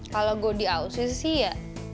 kalau gua di ausi sih ya